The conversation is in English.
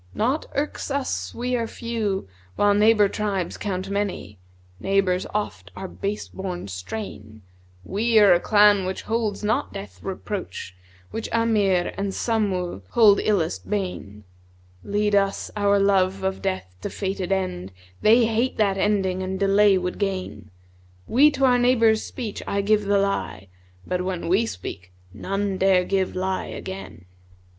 Naught irks us we are few, while neighbour tribes * Count many; neighbours oft are base born strain: We are a clan which holds not Death reproach, * Which A'mir and Samъl[FN#151] hold illest bane: Leads us our love of death to fated end; * They hate that ending and delay would gain: We to our neighbours' speech aye give the lie, * But when we speak none dare give lie again.'